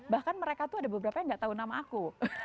bahkan mereka tuh ada beberapa yang gak tahu nama aku